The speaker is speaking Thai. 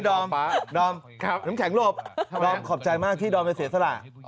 เฮ้ยดอมหนุ่มแข็งลบดอมขอบใจมากที่ดอมจะเสียสละ